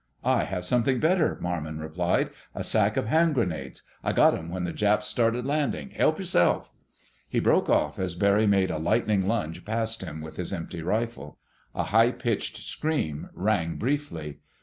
"I have something better," Marmon replied. "A sack of hand grenades. I got 'em when the Japs started landing. Help yourself—" He broke off as Barry made a lightning lunge past him with his empty rifle. A high pitched scream rang briefly.